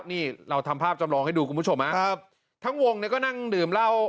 นี่เราทำภาพจำลองให้ดูคุณผู้ชมฮะครับทั้งวงเนี่ยก็นั่งดื่มเหล้า